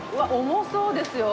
重そうですよ。